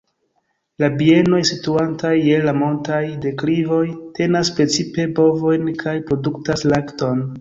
La bienoj situantaj je la montaj deklivoj tenas precipe bovojn kaj produktas lakton.